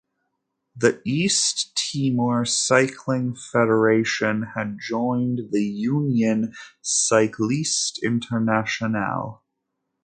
The East Timor Cycling Federation had joined the Union Cycliste Internationale.